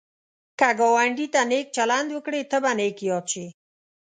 که ګاونډي ته نېک چلند وکړې، ته به نېک یاد شي